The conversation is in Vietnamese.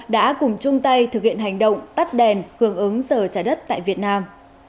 đã cùng chung tay thực hiện hành động tắt đèn hưởng ứng giờ trái đất tại việt nam